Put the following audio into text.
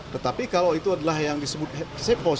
tetapi kalau itu adalah yang disebut safe house